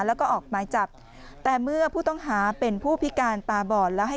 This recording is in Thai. แล้วก็ออกหมายจับแต่เมื่อผู้ต้องหาเป็นผู้พิการตาบอดแล้วให้